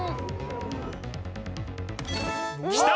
きた！